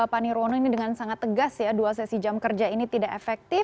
pak nirwono ini dengan sangat tegas ya dua sesi jam kerja ini tidak efektif